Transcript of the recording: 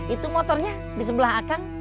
itu motornya di sebelah kan